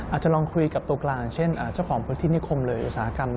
อาจจะลองคุยกับตัวกลางเช่นเจ้าของพื้นที่นิคมเลยอุตสาหกรรม